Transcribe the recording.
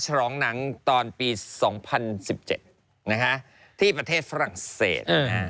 ฉลองหนังตอนปี๒๐๑๗ที่ประเทศฝรั่งเศส